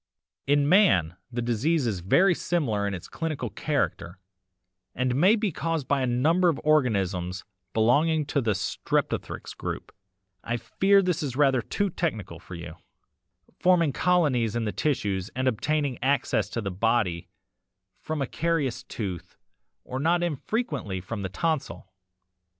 "'In man the disease is very similar in its clinical character and may be caused by a number of organisms belonging to the streptothrix group (I fear this is rather too technical for you) forming colonies in the tissues and obtaining access to the body from a carious tooth or not infrequently from the tonsil.